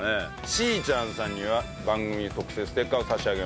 しぃちゃんさんには番組特製ステッカーを差し上げます。